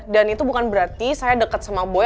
dan itu bukan berarti saya dekat sama boy